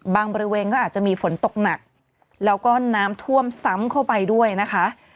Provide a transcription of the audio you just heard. บริเวณก็อาจจะมีฝนตกหนักแล้วก็น้ำท่วมซ้ำเข้าไปด้วยนะคะ